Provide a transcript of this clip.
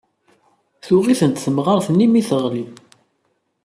Tuɣ-itent temɣart-nni mi teɣli.